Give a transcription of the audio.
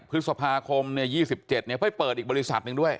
พฤษภาคมเนี่ยยี่สิบเจ็ดเนี่ยเพื่อเปิดอีกบริษัทหนึ่งด้วย